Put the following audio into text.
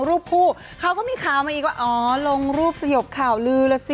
เธอลงรูปผู้เขาก็มีข่าวอีกว่าลงรูปสยบข่าวลือแลดสิ